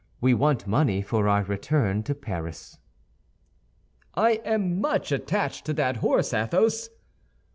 We want money for our return to Paris." "I am much attached to that horse, Athos."